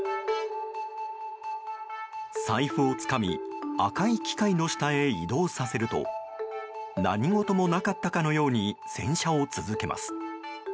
財布をつかみ赤い機械の下へ移動させると何事もなかったかのように洗車を続けます。